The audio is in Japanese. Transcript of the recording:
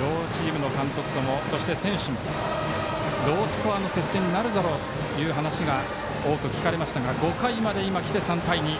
両チームの監督ともそして、選手ともロースコアの接戦になるだろうという話が多く聞かれましたが５回まできて、３対２。